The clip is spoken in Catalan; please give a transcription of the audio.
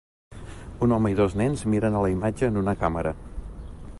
Un home i dos nens miren a la imatge en una càmera